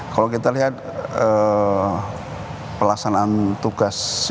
kalau kita lihat pelaksanaan tugas